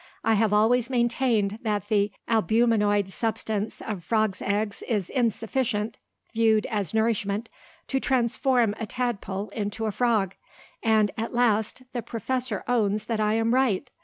"I have always maintained that the albuminoid substance of frog's eggs is insufficient (viewed as nourishment) to transform a tadpole into a frog and, at last, the Professor owns that I am right.